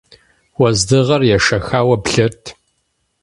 Уэздыгъэр ешэхауэ блэрт.